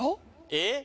えっ？